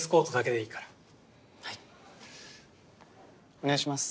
お願いします。